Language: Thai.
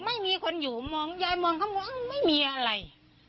ไม่มีคนอยู่มองยายมองข้างบนอ้าวไม่มีอะไร